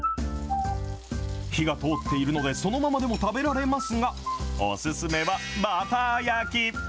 火が通っているので、そのままでも食べられますが、お勧めは、バター焼き。